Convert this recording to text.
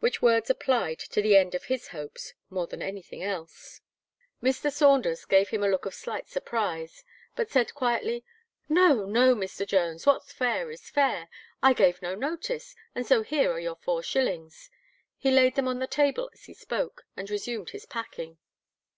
Which words applied to the end of his hopes, more than anything else. Mr. Saunders gave him a look of slight surprise, but said quietly: "No, no, Mr. Jones, what's fair is fair. I gave no notice, and so here are your four shillings." He laid them on the table as he spoke; and resumed his packing.